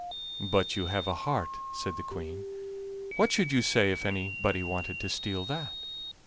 "But you have a heart," said the Queen. "What should you say if anybody wanted to steal that?"